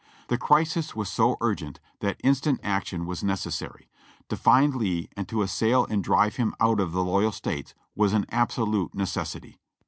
The crisis was so urgent that instant action was necessary. To find Lee and to assail and drive him out of the loyal States was an absolute ne cessity.